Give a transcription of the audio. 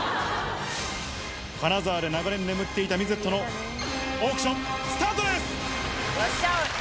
金沢で長年眠っていたミゼットのオークション、スタートです！